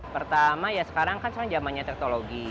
pertama ya sekarang kan sekarang zamannya teknologi